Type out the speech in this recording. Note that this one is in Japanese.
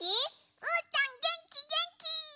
うーたんげんきげんき！